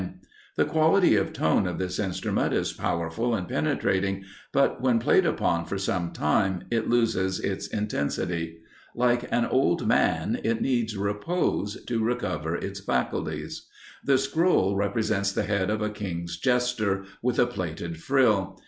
The quality of tone of this instrument is powerful and penetrating, but when played upon for some time, it loses its intensity. Like an old man, it needs repose to recover its faculties. The scroll represents the head of a king's jester, with a plaited frill.